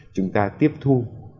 chúng ta tiếp thu